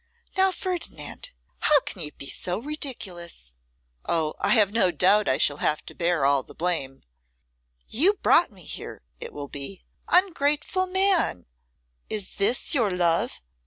'Now, Ferdinand, how can you be so ridiculous?' 'Oh! I have no doubt I shall have to bear all the blame. "You brought me here," it will be: "Ungrateful man, is this your love?